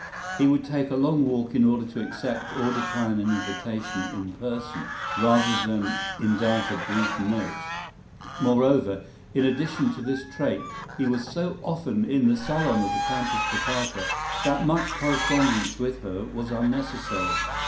He would take a long walk in order to accept or decline an invitation in person, rather than indite a brief note. Moreover, in addition to this trait, he was so often in the salon of the Countess Potocka that much correspondence with her was unnecessary.